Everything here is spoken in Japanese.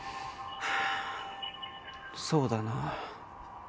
そうだなあ。